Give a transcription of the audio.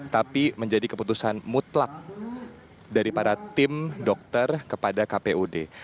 tapi menjadi keputusan mutlak dari para tim dokter kepada kpud